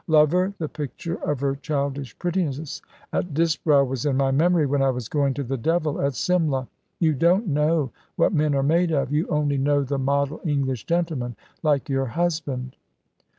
Love her! The picture of her childish prettiness at Disbrowe was in my memory when I was going to the devil at Simla. You don't know what men are made of. You only know the model English gentleman, like your husband."